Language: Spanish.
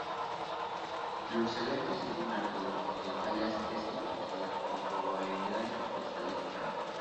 Los eventos en un árbol de fallas están asociados con probabilidades estadísticas.